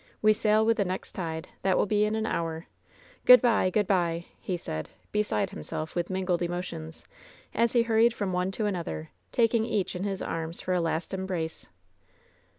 We sail with the next tide; that will be in an hour. Gk)od by! good by!" he said, beside himself with mingled emotions, as he hur ried from one to another, taking each in his arms for a last embrace.